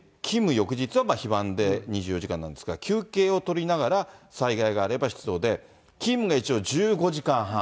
翌日は非番で２４時間なんですが、休憩を取りながら、災害があれば出動で、勤務が一応１５時間半。